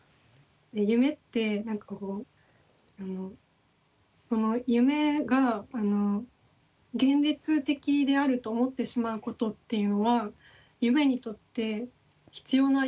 夢って何かこう夢が現実的であると思ってしまうことっていうのは夢にとって必要な要素なんでしょうか？